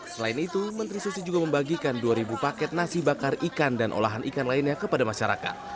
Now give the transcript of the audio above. selain itu menteri susi juga membagikan dua paket nasi bakar ikan dan olahan ikan lainnya kepada masyarakat